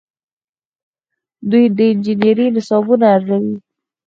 دوی د انجنیری نصابونه ارزوي.